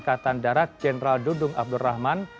kepala staf angkatan darat jenderal dudung abdul rahman